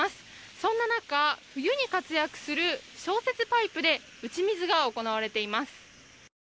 そんな中、冬に活躍する消雪パイプで打ち水が行われています。